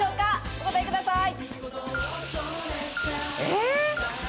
お答えください。